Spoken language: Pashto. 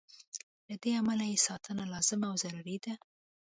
له دې امله یې ساتنه لازمه او ضروري ده.